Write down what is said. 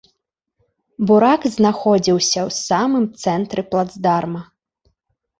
Бурак знаходзіўся ў самым цэнтры плацдарма.